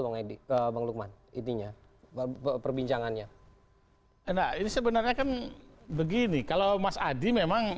nedi ke bang lukman intinya berbincangannya enak ini sebenarnya kan begini kalau mas adi memang